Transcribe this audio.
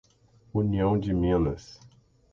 União de Minas